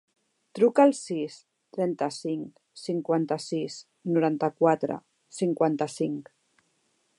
Truca al sis, trenta-cinc, cinquanta-sis, noranta-quatre, cinquanta-cinc.